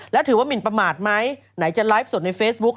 แล้วถือว่าหมินประมาทไหมไหนจะไลฟ์สดในเฟซบุ๊ค